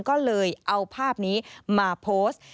ก็เลยเอาภาพนี้มาโพสต์